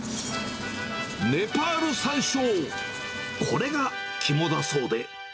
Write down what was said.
ネパールさんしょう、これが肝だそうで。